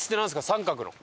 三角の。